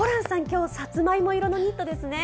今日、サツマイモ色のニットですね。